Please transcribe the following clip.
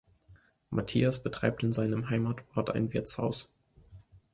Mathias betreibt in seinem Heimatort ein Wirtshaus.